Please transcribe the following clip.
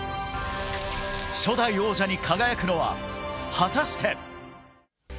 初代王者に輝くのは果たして。